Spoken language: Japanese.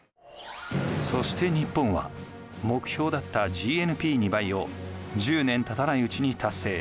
そして日本は目標だったＧＮＰ２倍を１０年たたないうちに達成。